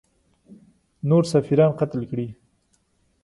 نور سفیران قتل کړي.